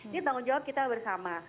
ini tanggung jawab kita bersama